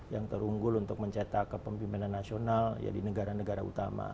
yang terunggul untuk mencetak kepemimpinan nasional di negara negara utama